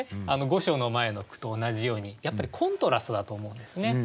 「御所の前」の句と同じようにやっぱりコントラストだと思うんですね。